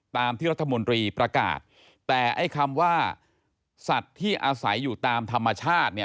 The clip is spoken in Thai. ตามที่รัฐมนตรีประกาศแต่ไอ้คำว่าสัตว์ที่อาศัยอยู่ตามธรรมชาติเนี่ย